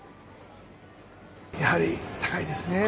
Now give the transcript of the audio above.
やはり高いですね。